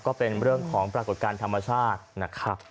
ก็เป็นเรื่องของปรากฏการณ์ธรรมชาตินะครับ